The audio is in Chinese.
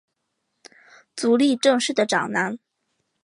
足利政氏的长男。